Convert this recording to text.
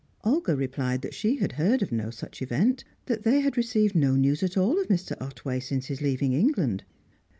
Olga replied that she had heard of no such event; that they had received no news at all of Mr. Otway since his leaving England.